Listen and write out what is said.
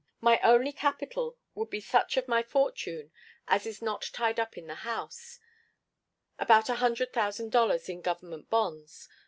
"My only capital would be such of my fortune as is not tied up in the House about a hundred thousand dollars in Government bonds.